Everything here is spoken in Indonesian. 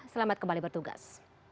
selamat kembali bertugas